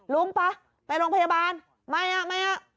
ลุงป่ะไปไปโรงพยาบาลไม่อ่ะไม่อ่ะ